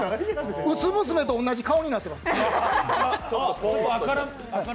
薄娘と同じ顔になってます。